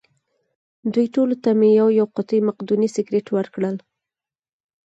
دوی ټولو ته مې یوه یوه قوطۍ مقدوني سګرېټ ورکړل.